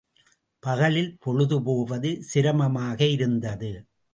பகலில் பொழுது போவது சிரமமாக இருந்தது.